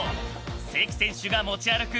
関選手が持ち歩く